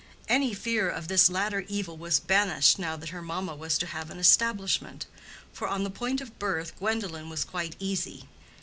Any fear of this latter evil was banished now that her mamma was to have an establishment; for on the point of birth Gwendolen was quite easy.